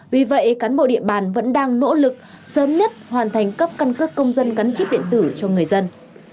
vì vậy cán bộ địa bàn vẫn đang nỗ lực sớm nhất hoàn thành cấp căn cước công dân gắn chip điện tử cho người dân